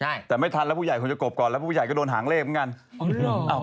ใช่แต่ไม่ทันแล้วผู้ใหญ่คงจะกบก่อนแล้วผู้ใหญ่ก็โดนหางเลขเหมือนกัน